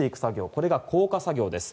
これが降下作業です。